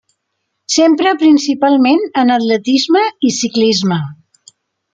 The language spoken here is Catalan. S'empra principalment en atletisme i ciclisme.